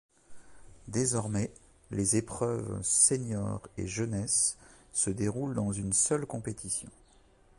Désormais les épreuves seniors et jeunesse se déroulent dans une seule compétition.